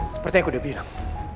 seperti yang aku udah bilang